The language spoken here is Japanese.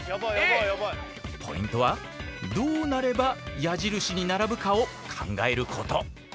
ポイントはどうなれば矢印に並ぶかを考えること。